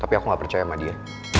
tapi aku gak percaya sama dia